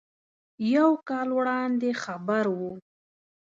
یو کال وړاندې خبر و.